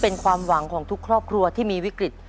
เป็นความหวังของทุกครอบครัวที่มีวิกฤต